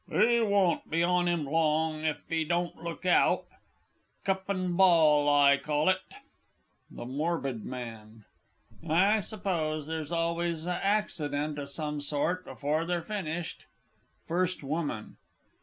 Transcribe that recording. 'E won't be on 'im long if he don't look out. Cup an ball I call it! THE MORBID MAN. I suppose there's always a accident o' some sort before they've finished. FIRST WOMAN.